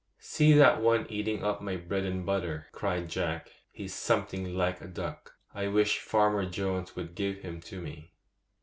'See that one eating up my bread and butter!' cried Jack; 'he's something like a duck. I wish Farmer Jones would give him to me.